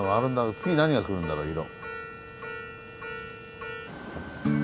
次何がくるんだろう色。